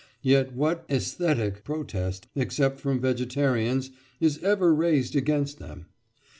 Yet what "æsthetic" protest, except from vegetarians, is ever raised against them?